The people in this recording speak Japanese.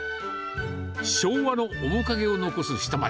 昭和の面影を残す下町。